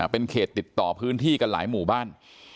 เป็นเขตติดต่อพื้นที่กันหลายหมู่บ้าน